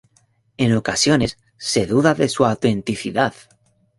En ocasiones se duda de su autenticidad.